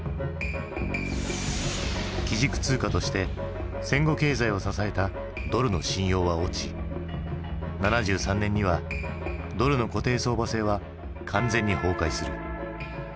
基軸通貨として戦後経済を支えたドルの信用は落ち７３年にはドルの固定相場制は完全に崩壊する。